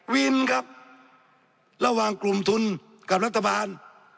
วินครับระหว่างกลุ่มทุนกับรัฐบาล